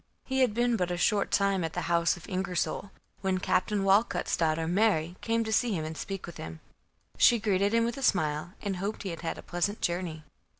He had been but a short time at the house of Ingersol, when Captain Walcut's daughter Mary came to see him and speak with him. She greeted him with a smile, and hoped he had had a pleasant journey.